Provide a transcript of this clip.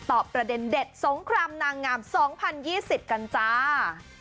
ประเด็นเด็ดสงครามนางงาม๒๐๒๐กันจ้า